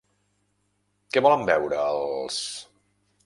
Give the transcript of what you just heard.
Què volen beure els??